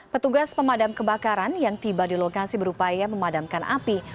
petugas pemadam kebakaran yang tiba di lokasi berupaya memadamkan api